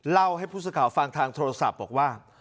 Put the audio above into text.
เล่าให้ผู้สื่อข่าวฟังทางโทรศัพท์บอกว่า